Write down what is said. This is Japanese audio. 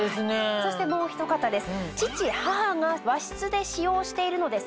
そしてもうひと方です。